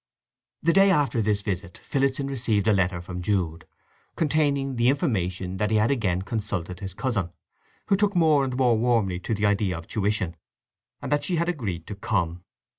The day after this visit Phillotson received a letter from Jude, containing the information that he had again consulted his cousin, who took more and more warmly to the idea of tuition; and that she had agreed to come.